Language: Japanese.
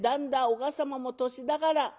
おが様も年だから」。